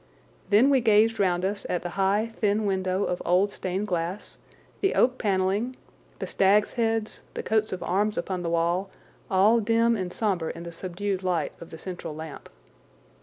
Then we gazed round us at the high, thin window of old stained glass, the oak panelling, the stags' heads, the coats of arms upon the walls, all dim and sombre in the subdued light of the central lamp.